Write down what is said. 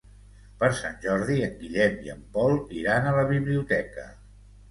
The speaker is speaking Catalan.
Per Sant Jordi en Guillem i en Pol iran a la biblioteca.